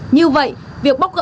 như vậy việc bóc gỡ